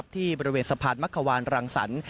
ที่บริเวณสะพานมักขวานรังสรรค์